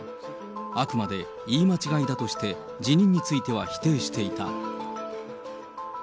あくまで言い間違いだとして、辞任については否定していた。